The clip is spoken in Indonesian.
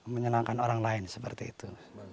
menyenangkan orang lain seperti itu